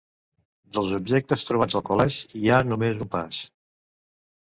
Dels objectes trobats al collage hi ha només un pas.